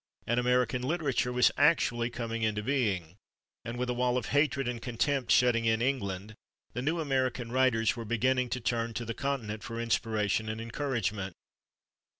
An American literature was actually coming into being, and with a wall of hatred and contempt shutting in England, the new American writers were beginning to turn to the Continent for inspiration and encouragement.